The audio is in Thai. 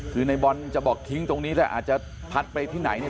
คือในบอลจะบอกทิ้งตรงนี้แต่อาจจะพัดไปที่ไหนเนี่ย